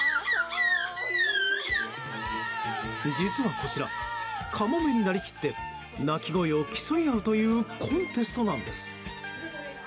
実はこちら、カモメになりきって鳴き声を競い合うというコンテストなんです。